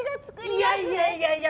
いやいやいやいや！